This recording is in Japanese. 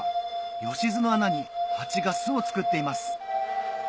葦簀の穴にハチが巣を作っています